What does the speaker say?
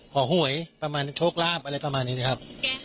หวยประมาณโชคลาภอะไรประมาณนี้นะครับ